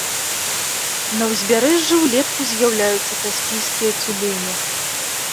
На ўзбярэжжы ўлетку з'яўляюцца каспійскія цюлені.